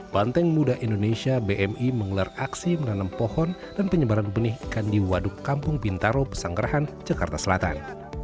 banteng muda indonesia bmi mengelar aksi menanam pohon dan penyebaran benih ikan di waduk kampung bintaro pesanggerahan jakarta selatan